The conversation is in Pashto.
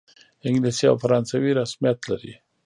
انګلیسي او فرانسوي رسمیت لري.